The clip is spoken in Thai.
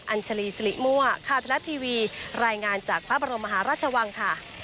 ัญชาลีสิริมั่วข่าวทะลัดทีวีรายงานจากพระบรมมหาราชวังค่ะ